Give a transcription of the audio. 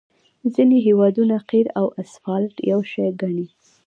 ځینې هیوادونه قیر او اسفالټ یو شی ګڼي